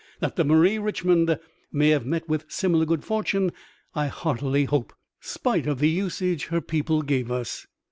That the Marie Richmond may have met with similar good fortune, I heartily hope, spite of the usage her people gave us.